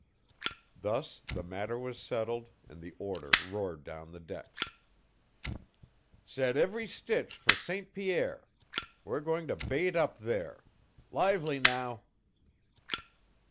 Thus the matter was settled and the order roared down the decks: "Set every stitch for St. Pierre; we're going to bait up there. Lively, now!"